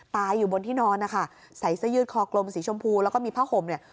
ตายอยู่บนที่นอนนะคะใส่เสื้อยืดคอกลมสีชมพูแล้วก็มีผ้าห่มเนี่ย